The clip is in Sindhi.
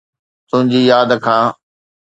تنهنجي ياد کان